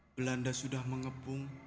belanda sudah mengepung